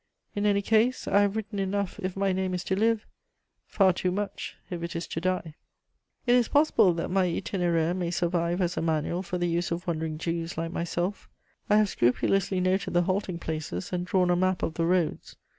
In any case, I have written enough if my name is to live; far too much if it is to die." It is possible that my Itinéraire may survive as a manual for the use of Wandering Jews like myself: I have scrupulously noted the halting places, and drawn a map of the roads.